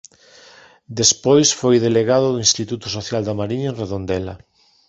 Despois foi delegado do Instituto Social da Mariña en Redondela.